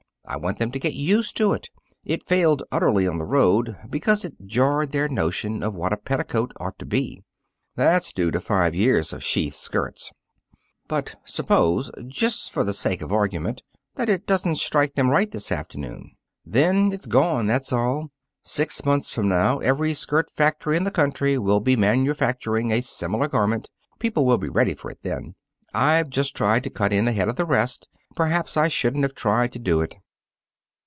I want them to get used to it. It failed utterly on the road, because it jarred their notion of what a petticoat ought to be. That's due to five years of sheath skirts." "But suppose just for the sake of argument that it doesn't strike them right this afternoon?" "Then it's gone, that's all. Six months from now, every skirt factory in the country will be manufacturing a similar garment. People will be ready for it then. I've just tried to cut in ahead of the rest. Perhaps I shouldn't have tried to do it."